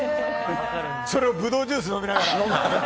それをブドウジュース飲みながら？